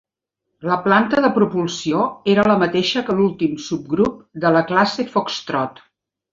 La planta de propulsió era la mateixa que l'últim subgrup de la classe Foxtrot.